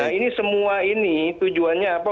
jadi ini tujuannya apa